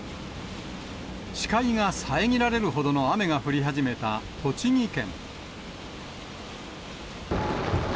視界が遮られるほどの雨が降り始めた栃木県。